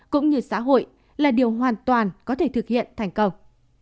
cũng như xã hội là điều hoàn toàn có thể thực hiện thành công